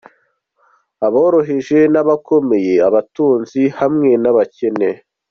Aboroheje n’abakomeye, Abatunzi hamwe n’abakene.